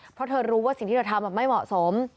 เพราะเธอรู้ว่าสิ่งที่เธอทำไม่เหมาะสม